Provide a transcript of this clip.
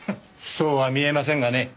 そうは見えませんがね。